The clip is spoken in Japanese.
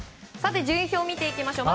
順位表を見ていきましょう。